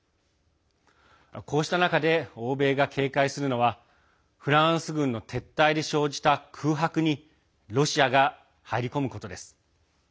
こうした中で欧米が警戒するのはフランス軍の撤退で生じた空白にロシアが入り込むことです。